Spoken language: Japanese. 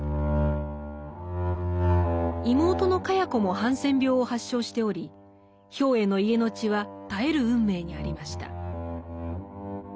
妹の茅子もハンセン病を発症しており兵衛の家の血は絶える運命にありました。